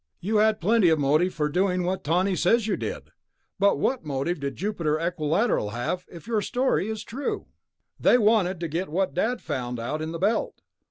"You had plenty of motive for doing what Tawney says you did. But what motive did Jupiter Equilateral have, if your story is true?" "They wanted to get what Dad found, out in the Belt."